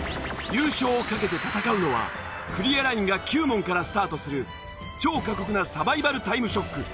優勝をかけて戦うのはクリアラインが９問からスタートする超過酷なサバイバルタイムショック。